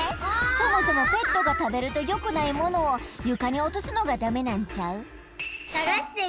そもそもペットがたべるとよくないものをゆかにおとすのがダメなんちゃう？